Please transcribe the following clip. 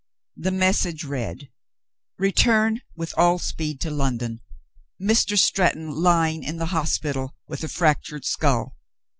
The message read: "Return with all speed to London. Mr. Stretton lying in the hospital with a fractured skull."